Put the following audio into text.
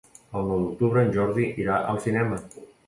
El nou d'octubre en Jordi irà al cinema.